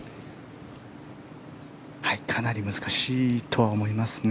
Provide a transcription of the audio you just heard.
かなり難しいとは思いますね。